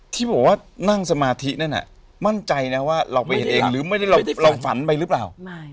ที่บอกว่านั่งสมาธินั่นมั่นใจนะว่าเราไปเห็นเองหรือไม่ได้เราฝันไปหรือเปล่า